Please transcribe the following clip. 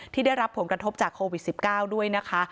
ได้รับผลกระทบจากโควิด๑๙ด้วยนะคะ